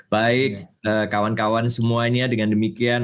baik kawan kawan semuanya dengan demikian